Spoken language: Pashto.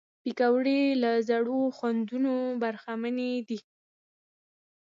پکورې له زړو خوندونو برخمنې دي